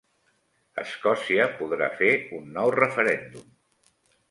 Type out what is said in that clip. Escòcia podrà fer un nou referèndum